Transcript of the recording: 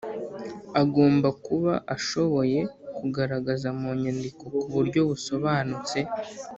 Agomba kuba ashoboye kugaragaza mu nyandiko ku buryo busobanutse